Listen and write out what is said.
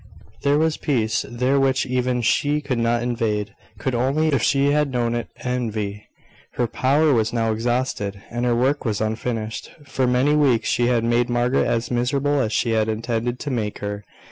There was peace there which even she could not invade could only, if she had known it, envy. Her power was now exhausted, and her work was unfinished. For many weeks, she had made Margaret as miserable as she had intended to make her.